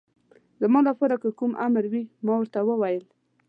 زما لپاره که کوم امر وي، ما ورته وویل.